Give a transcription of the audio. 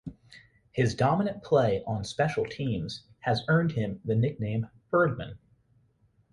His dominant play on special teams has earned him the nickname "Burdman".